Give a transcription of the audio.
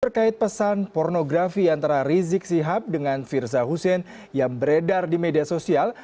terkait pesan pornografi antara rizik sihab dengan firza hussein yang beredar di media sosial